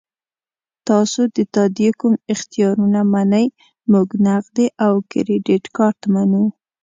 تاسو د تادیې کوم اختیارونه منئ؟ موږ نغدي او کریډیټ کارت منو.